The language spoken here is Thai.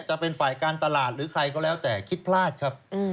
จะเป็นฝ่ายการตลาดหรือใครก็แล้วแต่คิดพลาดครับ